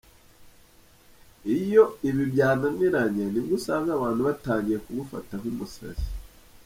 Iyo ibi byananiranye nibwo usanga abantu batangiye kugufata nk’umusazi.